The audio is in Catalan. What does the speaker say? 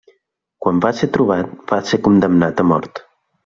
Quan va ser trobat, va ser condemnat a mort.